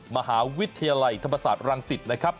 มหาวิทยาลัยธรรมศาสตร์รังสิตนะครับ